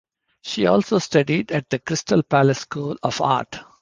She also studied at the Crystal Palace School of Art.